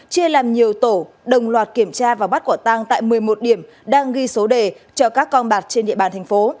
chia làm nhiều tổ đồng loạt kiểm tra và bắt quả tăng tại một mươi một điểm đang ghi số đề cho các con bạc trên địa bàn thành phố